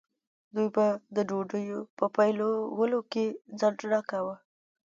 دوی به د ډوډۍ په پیلولو کې ځنډ نه کاوه.